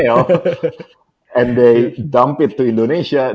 dan mereka membuangnya ke indonesia